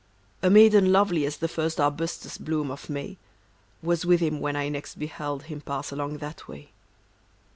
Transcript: A maiden lovely as the first Arbutus bloom of May, Was with him when I next beheld Him pass along that way.